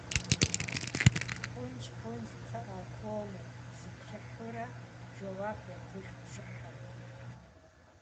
Хъунщ, хъунщ, кхъыӏэ, хуэму, - зиплъыхьурэ жэуап етыж бжьыхьэм.